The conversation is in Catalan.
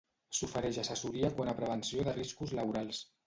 S'ofereix assessoria quant a prevenció de riscos laborals.